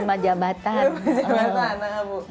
rumah jabatan anak ibu